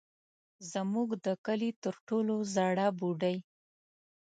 زموږ د کلي تر ټولو زړه بوډۍ.